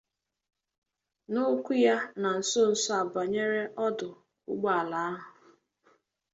n'okwu ya na nsonso a banyere ọdụ ụgbọelu ahụ